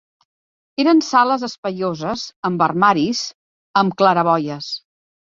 Eren sales espaioses, amb armaris, am claraboies